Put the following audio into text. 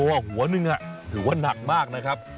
ประมาณสองกิโลหัวหนึ่งถือว่านักมากนะครับ